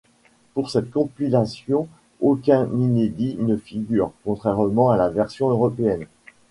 Pour cette compilation aucun inédit ne figure, contrairement à la version européenne.